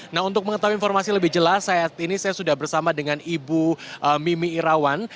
nah untuk mengetahui informasi lebih jelas saat ini saya sudah bersama dengan ibu mimi irawan